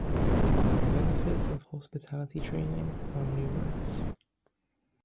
The benefits of hospitality training are numerous.